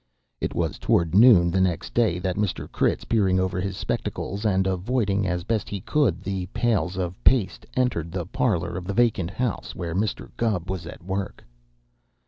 It was toward noon the next day that Mr. Critz, peering over his spectacles and avoiding as best he could the pails of paste, entered the parlor of the vacant house where Mr. Gubb was at work.